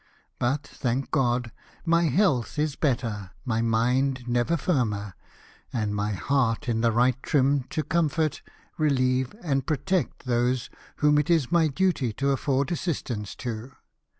But, thank God ! my health is better, my mind never firmer, and my heart in the right trim to comfort, reheve, and protect those whom it is my duty to afford assistance to.